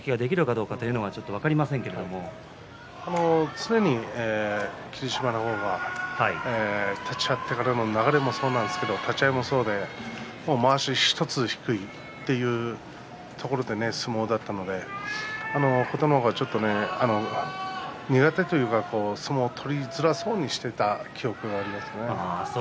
常に霧島の方が立ち合ってからの流れもそうなんですが立ち合いもそうでもう、まわし１つ引いてそういう相撲だったので琴ノ若、ちょっと苦手というか相撲を取りづらそうにしていた記憶があります。